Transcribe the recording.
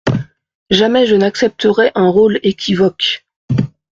Jamais je n'accepterai un rôle équivoque.